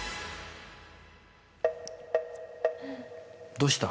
どうした？